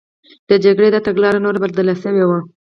د جګړې دا تګلاره نوره بدله شوې وه